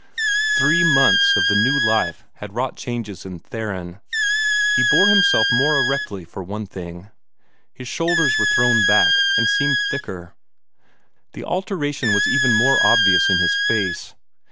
Three months of the new life had wrought changes in Theron. He bore himself more erectly, for one thing; his shoulders were thrown back, and seemed thicker. The alteration was even more obvious in his face.